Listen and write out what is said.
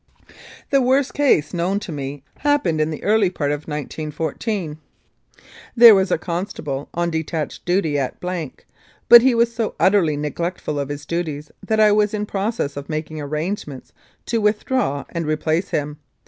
The worst case known to me happened in the early B 9 Mounted Police Life in Canada part of 1914. There was a constable on detached duty at , but he was so utterly neglectful of his duties that I was in process of making arrangements to with draw and replace him.